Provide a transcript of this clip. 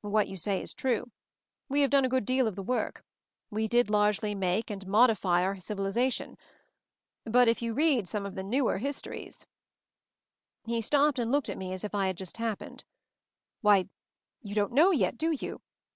"What you say is true. We have done a 188 MOVING THE MOUNTAIN good deal of the work; we did largely make and modify our civilization. But if you read some of the newer histories " he stopped and looked at me as if I had just happened. "Why you don't know yet, do you?